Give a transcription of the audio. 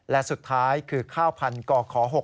และสุดท้ายคือข้าวพันธุ์กข๖